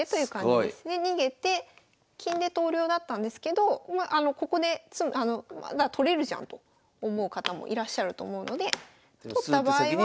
で逃げて金で投了だったんですけどここで取れるじゃんと思う方もいらっしゃると思うので取った場合は。